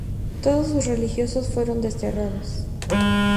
Todos sus religiosos fueron desterrados.